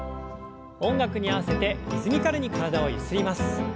音楽に合わせてリズミカルに体をゆすります。